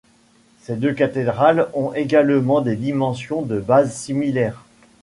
Ces deux cathédrales ont également des dimensions de base similaires.